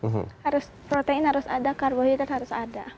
harus protein harus ada karbohidrat harus ada